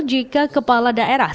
jika kepala daerah tersebut menangkapnya